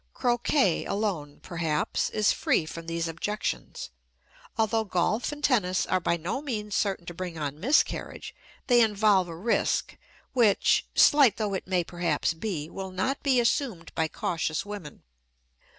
Croquet, alone, perhaps, is free from these objections. Although golf and tennis are by no means certain to bring on miscarriage, they involve a risk which, slight though it may perhaps be, will not be assumed by cautious women.